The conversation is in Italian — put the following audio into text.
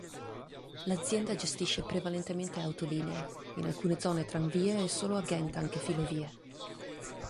L'azienda gestisce prevalentemente autolinee, in alcune zone tranvie e solo a Gent anche filovie.